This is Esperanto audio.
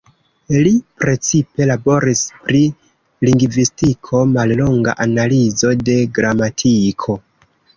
Li precipe laboris pri lingvistiko, "Mallonga analizo de gramatiko.